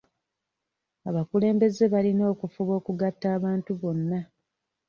Abakulembeze balina okufuba okugatta abantu bonna.